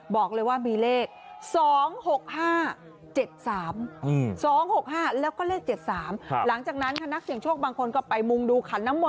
บอกเลยว่ามีเลข